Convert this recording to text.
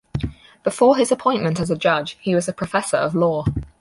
Before his appointment as a judge he was a professor of law.